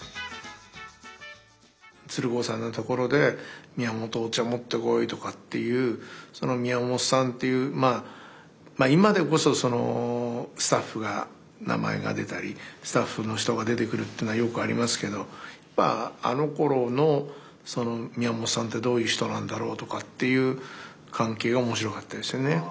鶴光さんのところで「宮本お茶持ってこい」とかっていうその宮本さんっていうまあ今でこそスタッフが名前が出たりスタッフの人が出てくるっていうのはよくありますけどあのころのその宮本さんってどういう人なんだろうとかっていう関係が面白かったですよね。